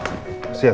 siap rik ada apa rin